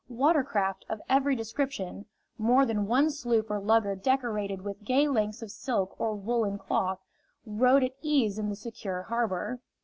Water craft of every description more than one sloop or lugger decorated with gay lengths of silk or woolen cloth rode at ease in the secure harbor.